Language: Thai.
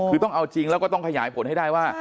คือต้องเอาจริงแล้วก็ต้องขยายผลให้ได้ว่า